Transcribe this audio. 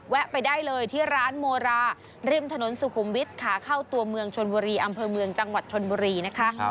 ไปได้เลยที่ร้านโมราริมถนนสุขุมวิทย์ขาเข้าตัวเมืองชนบุรีอำเภอเมืองจังหวัดชนบุรีนะคะ